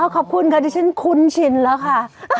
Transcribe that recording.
ขอบคุณค่ะที่ฉันคุ้นชินแล้วค่ะ